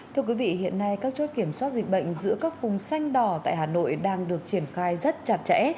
thưa quý vị hiện nay các chốt kiểm soát dịch bệnh giữa các vùng xanh đỏ tại hà nội đang được triển khai rất chặt chẽ